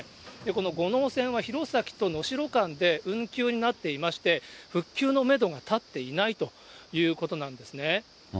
この五能線は、弘前と能代間で運休になっていまして、復旧のめどが立っていないということなんですね。